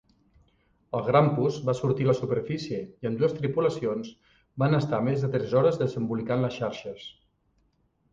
El Grampus va sortir a la superfície i ambdues tripulacions van estar més de tres hores desembolicant les xarxes.